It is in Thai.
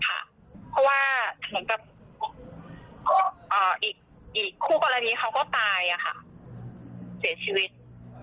เพราะว่าเหมือนกับอีกคู่กรณีเขาก็ตายเสียชีวิต